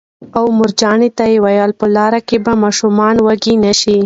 او مورجانې ته یې وویل: په لاره کې به ماشومان وږي نه شي